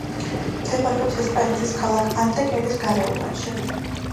მდებარეობს ესპანეთის ქალაქ ანტეკერის გარეუბანში.